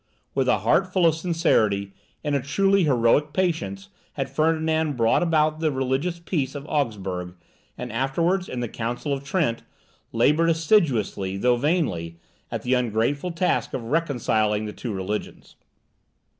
With a heart full of sincerity, with a truly heroic patience, had Ferdinand brought about the religious peace of Augsburg, and afterwards, in the Council of Trent, laboured assiduously, though vainly, at the ungrateful task of reconciling the two religions.